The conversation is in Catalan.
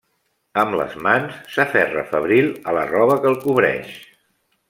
Amb les mans, s'aferra febril a la roba que el cobreix.